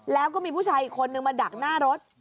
แล้วก็มีผู้ชายอีกคนนึงมาดักหน้ารถ